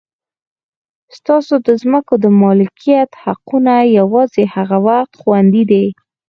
ستاسو د ځمکو د مالکیت حقونه یوازې هغه وخت خوندي دي.